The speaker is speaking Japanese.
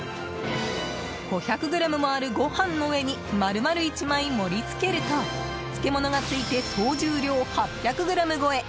これを、５００ｇもあるご飯の上に丸々１枚盛り付けると漬け物がついて総重量８００ｇ超え。